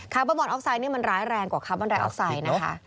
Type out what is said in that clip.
เบอร์บอนออกไซดนี่มันร้ายแรงกว่าคาร์บอนไดออกไซด์นะคะ